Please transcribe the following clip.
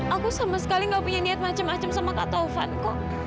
aku sama sekali nggak punya niat macem macem sama kata taufanku